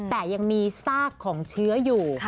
แต่ยังมีซากของเชื้ออยู่